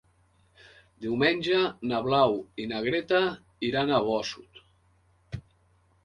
Diumenge na Blau i na Greta iran a Bossòst.